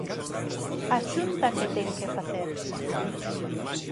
¿A Xunta que ten que facer?